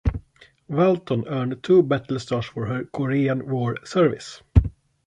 "Walton" earned two battle stars for her Korean War service.